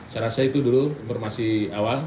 saya rasa itu dulu informasi awal